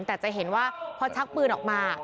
แต่จะเห็นว่าพอชักปืนออกมา